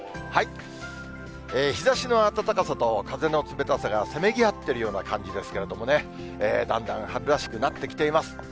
日ざしの暖かさと風の冷たさがせめぎ合っているような感じですけれども、だんだん春らしくなってきています。